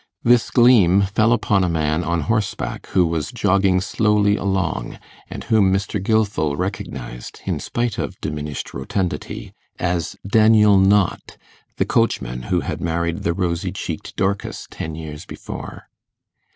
This gleam fell upon a man on horseback who was jogging slowly along, and whom Mr. Gilfil recognized, in spite of diminished rotundity, as Daniel Knott, the coachman who had married the rosy cheeked Dorcas ten years before.